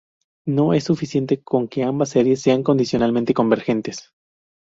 No es suficiente con que ambas series sean condicionalmente convergentes.